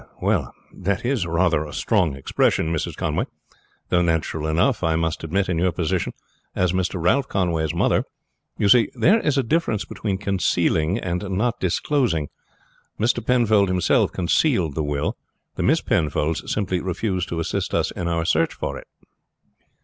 "Well, that is rather a strong expression, Mrs. Conway; though natural enough I must admit in your position as Mr. Ralph Conway's mother. You see, there is a difference between concealing and not disclosing. Mr. Penfold himself concealed the will. The Miss Penfolds simply refuse to assist us in our search for it."